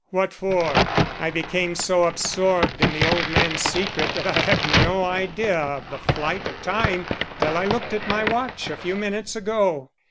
"What for? I became so absorbed in the old man's secret that I had no idea of the flight of time till I looked at my watch a few minutes ago.